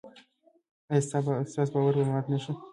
ایا ستاسو باور به مات نشي؟